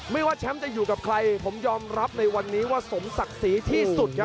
ไม่ว่าแชมป์จะอยู่กับใครผมยอมรับในวันนี้ว่าสมศักดิ์ศรีที่สุดครับ